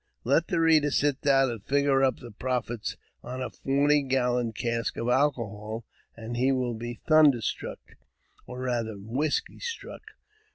Let the reader sit down and figure up the profits on a forty gallon cask of alcohol, and he will be thunder struck, or rather whisky struck.